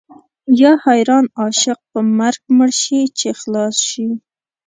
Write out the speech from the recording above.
یا حیران عاشق په مرګ مړ شي چې خلاص شي.